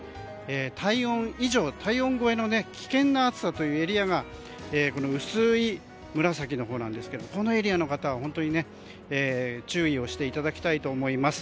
体温以上、体温超えの危険な暑さというエリアが薄い紫のほうなんですけどこのエリアの方は本当に注意をしていただきたいと思います。